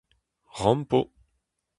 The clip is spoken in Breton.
Rampo !